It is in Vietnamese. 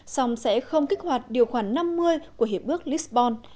xong sẽ không kích hoạt điều khoản năm mươi của hiệp bước lisbon